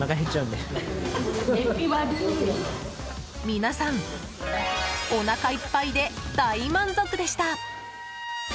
皆さん、おなかいっぱいで大満足でした。